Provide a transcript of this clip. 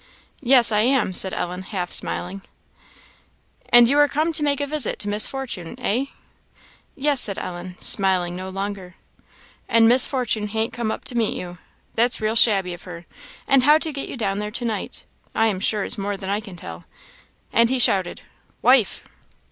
"Yes, I am," said Ellen, half smiling. "And you are come to make a visit to Miss Fortune, eh?" "Yes," said Ellen, smiling no longer. "And Miss Fortune han't come up to meet you! that's real shabby of her; and how to get you down there to night, I am sure is more than I can tell." And he shouted, "Wife!"